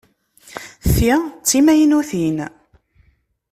Ti d timaynutin.